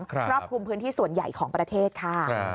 ครอบคลุมพื้นที่ส่วนใหญ่ของประเทศค่ะ